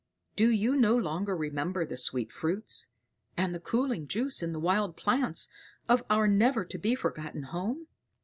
Do you no longer remember the sweet fruits, and the cooling juice in the wild plants of our never to be forgotten home?"